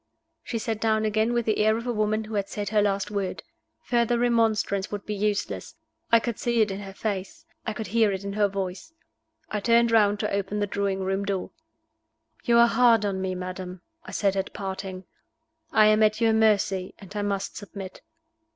She sat down again with the air of a woman who had said her last word. Further remonstrance would be useless; I could see it in her face; I could hear it in her voice. I turned round to open the drawing room door. "You are hard on me, madam," I said at parting. "I am at your mercy, and I must submit."